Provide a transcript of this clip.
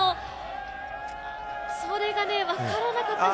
それが分からなかったです。